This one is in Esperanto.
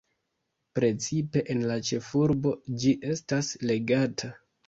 Precipe en la ĉefurbo ĝi estas legata.